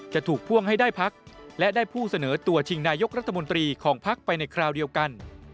จะถูกพ่วงให้ได้พักและได้ผู้เสนอตัวชิงนายกรัฐมนตรีของพักไปในคราวเดียวกัน